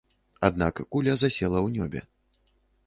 Аднак куля засела ў нёбе.